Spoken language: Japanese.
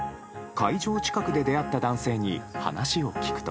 会場近くで出会った男性に話を聞くと。